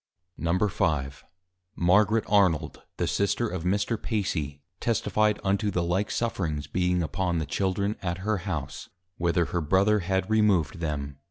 _ V. Margaret Arnold, the Sister of Mr. Pacy, Testifi'd unto the like Sufferings being upon the Children, at her House, whither her Brother had Removed them.